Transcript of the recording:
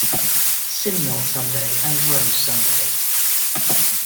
Simnel Sunday and Rose Sunday.